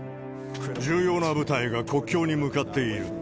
重要な部隊が国境に向かっている。